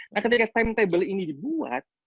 nah ketika timetable ini dibuat